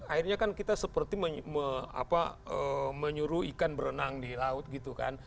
akhirnya kan kita seperti menyuruh ikan berenang di laut gitu kan